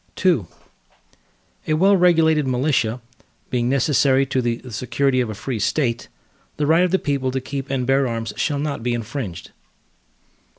II A well regulated militia, being necessary to the security of a free State, the right of the people to keep and bear arms, shall not be infringed.